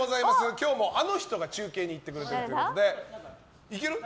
今日も、あの人が中継に行ってくれているということで。